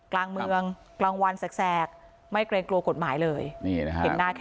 กลางเมืองกลางวันแซกแซกไม่เกรงกลัวกฎหมายเลยนี่เห็นไหมคะ